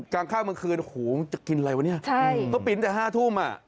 กลางค่าเมื่อคืนโหจะกินอะไรวะเนี้ยใช่เขาปิดแต่ห้าทุ่มอ่ะ